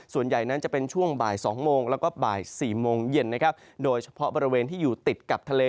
ส่วนใหญ่นั้นจะเป็นช่วงบ่าย๒โมงแล้วก็บ่าย๔โมงเย็นนะครับโดยเฉพาะบริเวณที่อยู่ติดกับทะเล